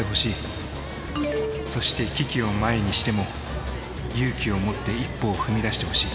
そして危機を前にしても勇気を持って一歩を踏み出してほしい。